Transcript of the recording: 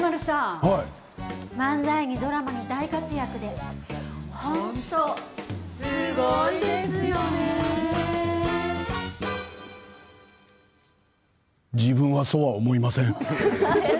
漫才にドラマに大活躍で本当自分はそうは思いません。